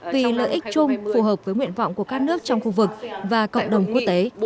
vì lợi ích chung phù hợp với nguyện vọng của các nước trong khu vực và cộng đồng quốc tế